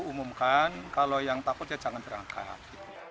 umumkan kalau yang takut ya jangan berangkat